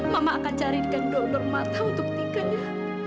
mama akan carikan donor mata untuk tiganya